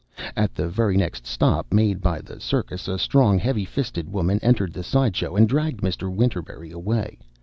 At the very next stop made by the circus a strong, heavy fisted woman entered the side show and dragged Mr. Winterberry away.